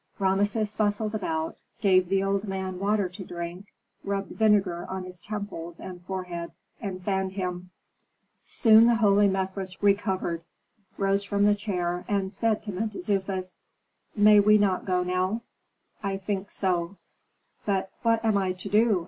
Rameses bustled about, gave the old man water to drink, rubbed vinegar on his temples and forehead, and fanned him. Soon the holy Mefres recovered, rose from the chair, and said to Mentezufis, "May we not go now?" "I think so." "But what am I to do?"